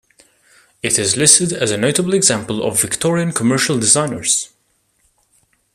It is listed as a notable example of Victorian commercial designers.